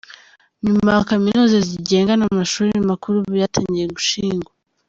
Nyuma Kaminuza zigenga n’amashuri makuru byatangiye gushingwa.